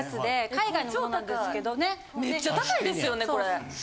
めっちゃ高いですよねこれ。